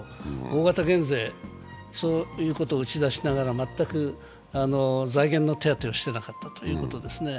大型減税を打ち出しながら全く財源の手当てをしていなかったということですね。